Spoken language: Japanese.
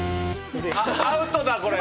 アウトだこれ。